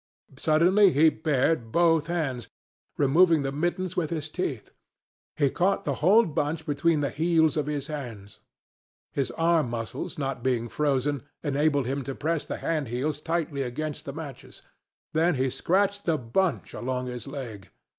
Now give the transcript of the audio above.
Suddenly he bared both hands, removing the mittens with his teeth. He caught the whole bunch between the heels of his hands. His arm muscles not being frozen enabled him to press the hand heels tightly against the matches. Then he scratched the bunch along his leg.